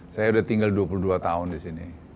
saya udah tinggal dua puluh dua tahun disini